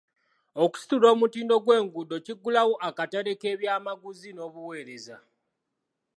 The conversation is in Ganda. Okusitula omutindo gw'enguudo kiggulawo akatale k'ebyamaguzi n'obuweereza.